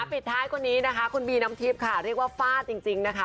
ปิดท้ายคนนี้นะคะคุณบีน้ำทิพย์ค่ะเรียกว่าฟาดจริงนะคะ